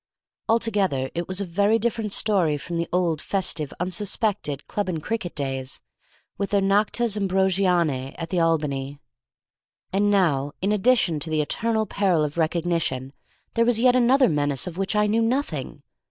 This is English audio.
Altogether it was a very different story from the old festive, unsuspected, club and cricket days, with their noctes ambrosianæ at the Albany. And now, in addition to the eternal peril of recognition, there was yet another menace of which I knew nothing.